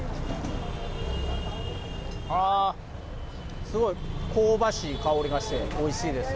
あー、すごい香ばしい香りがして、おいしいです。